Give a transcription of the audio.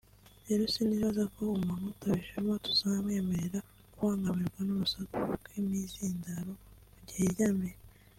rero sinibaza ko umuntu utabijemo tuzamwemerera kubangamirwa nurusaku rw’imizindaro mugihe yiryamiye